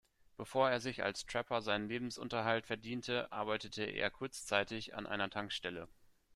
Bevor er sich als Trapper seinen Lebensunterhalt verdiente, arbeitete er kurzzeitig an einer Tankstelle.